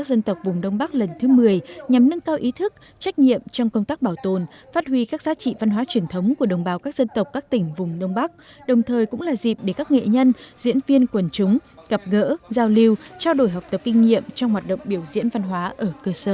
các hoạt động thể dục phát huy các giá trị văn hóa truyền thống của đồng bào các dân tộc các tỉnh vùng đông bắc đồng thời cũng là dịp để các nghệ nhân diễn viên quần chúng gặp gỡ giao lưu trao đổi học tập kinh nghiệm trong hoạt động biểu diễn văn hóa ở cơ sở